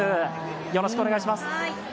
よろしくお願いします。